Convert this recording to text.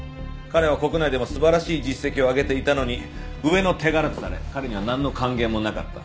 彼は国内でも素晴らしい実績を上げていたのに上の手柄とされ彼にはなんの還元もなかった。